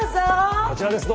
こちらです。